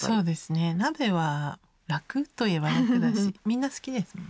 鍋は楽といえば楽だしみんな好きですもんね。